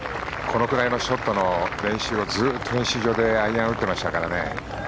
このくらいのショットの練習をずっと練習場でアイアンを打ってましたからね。